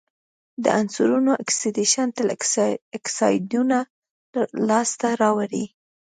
د عنصرونو اکسیدیشن تل اکسایدونه لاسته راوړي.